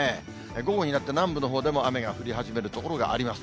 午後になって南部のほうでも雨が降り始める所があります。